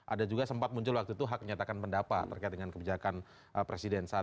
ada juga sempat muncul waktu itu hak menyatakan pendapat terkait dengan kebijakan presiden saat